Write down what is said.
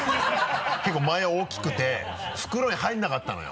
結構前大きくて袋に入らなかったのよ。